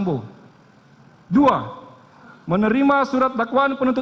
pegawai peter mmo pa statper the